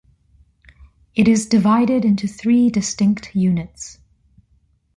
It is divided into three distinct units.